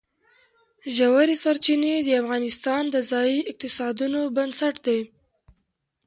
ژورې سرچینې د افغانستان د ځایي اقتصادونو بنسټ دی.